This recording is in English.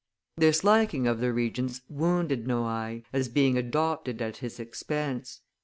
This liking of the Regent's wounded Noailles, as being adopted at his expense.